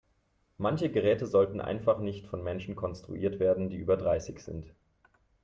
Manche Geräte sollten einfach nicht von Menschen konstruiert werden, die über dreißig sind.